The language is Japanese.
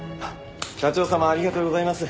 社長様ありがとうございます。